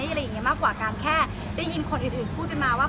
อะไรอย่างนี้มากกว่าการแค่ได้ยินคนอื่นพูดกันมาว่า